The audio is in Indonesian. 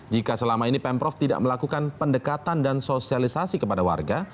jika selama ini pemprov tidak melakukan pendekatan dan sosialisasi kepada warga